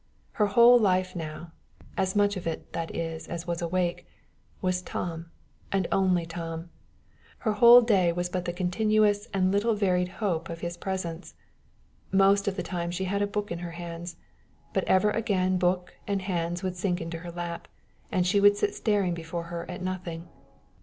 Her whole life now as much of it, that is, as was awake was Tom, and only Tom. Her whole day was but the continuous and little varied hope of his presence. Most of the time she had a book in her hands, but ever again book and hands would sink into her lap, and she would sit staring before her at nothing.